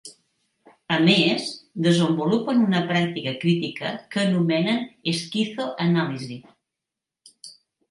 A més, desenvolupen una pràctica crítica que anomenen esquizo-anàlisi.